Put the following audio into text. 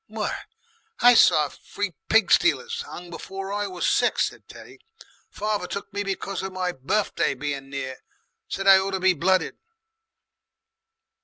"Why! I saw free pig stealers 'ung before I was six," said Teddy. "Father took me because of my birfday being near. Said I ought to be blooded...."